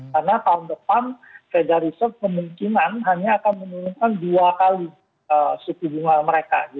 karena tahun depan fed dari sepemungkinan hanya akan menurunkan dua kali suku bunga mereka